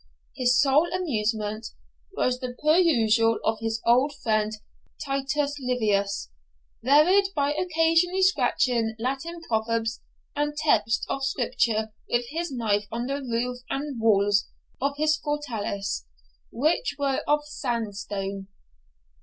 His sole amusement was the perusal of his old friend Titus Livius, varied by occasionally scratching Latin proverbs and texts of Scripture with his knife on the roof and walls of his fortalice, which were of sandstone.